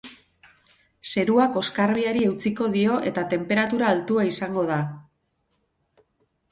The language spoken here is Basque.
Zeruak oskarbiari eutsiko dio eta tenperatura altua izango da.